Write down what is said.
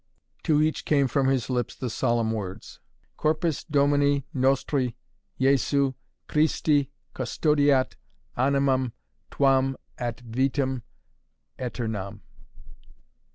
To each came from his lips the solemn words: "Corpus Domini Nostri Jesu Christi custodiat animam tuam ad Vitam aeternam!"